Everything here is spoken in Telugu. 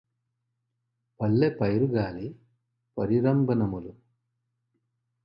పల్లె పైరుగాలి పరిరంభణమ్ములు